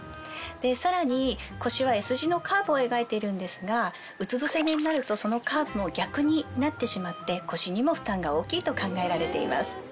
さらに腰はＳ字のカーブを描いているんですがうつ伏せ寝になるとそのカーブも逆になってしまって腰にも負担が大きいと考えられています。